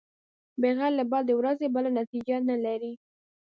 بغیر له بدې ورځې بله نتېجه نلري.